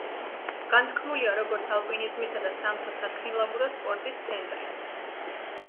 განთქმულია როგორც ალპინიზმისა და სამთო-სათხილამური სპორტის ცენტრი.